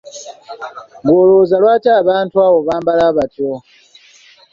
Ggwe olowooza lwaki abantu abo bambala batyo?